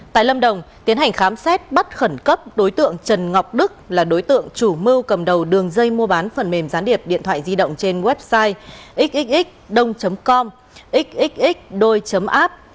tại lâm đồng tiến hành khám xét bắt khẩn cấp đối tượng trần ngọc đức là đối tượng chủ mưu cầm đầu đường dây mua bán phần mềm gián điệp điện thoại di động trên website xxx đông com xxx đôi app